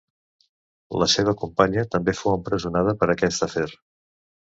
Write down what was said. La seva companya també fou empresonada per aquest afer.